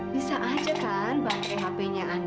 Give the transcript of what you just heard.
bisa aja kan pake hpnya andre